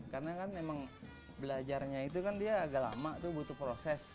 karena kan emang belajarnya itu kan dia agak lama tuh butuh proses